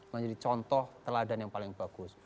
menjadi contoh teladan yang paling bagus